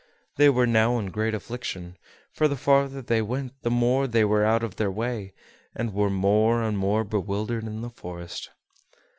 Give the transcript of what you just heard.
They were now in great affliction, for the farther they went the more they were out of their way, and were more and more bewildered in the forest.